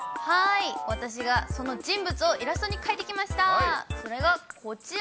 私がその人物をイラストに描いてきました。